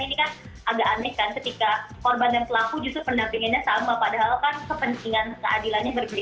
ini kan agak aneh kan ketika korban dan pelaku justru pendampingannya sama padahal kan kepentingan keadilannya berbeda